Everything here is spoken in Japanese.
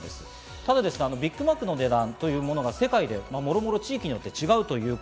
ただ、ビッグマックの値段というものが世界でもろもろ地域によって違います。